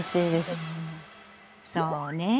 そうねぇ。